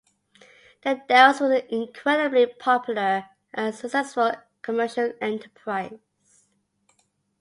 The Dells was an incredibly popular and successful commercial enterprise.